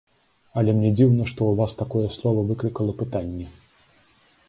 Але мне дзіўна, што ў Вас такое слова выклікала пытанні.